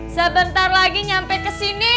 sebentar lagi nyampe kesini